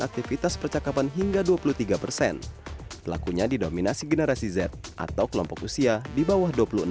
aktivitas percakapan hingga dua puluh tiga persen pelakunya didominasi generasi z atau kelompok usia di bawah dua puluh enam